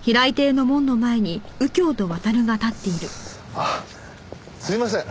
あっすいません